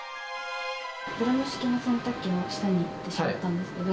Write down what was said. ドラム式の洗濯機の下に入ってしまったんですけど。